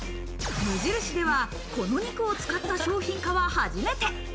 無印では、この肉を使った商品化は初めて。